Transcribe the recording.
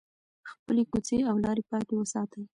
خپلې کوڅې او لارې پاکې وساتئ.